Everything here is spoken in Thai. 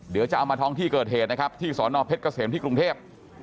เดี๋ยวจะเอามาท้องที่เกิดเหตุนะครับที่สอนอเพชรเกษมที่กรุงเทพ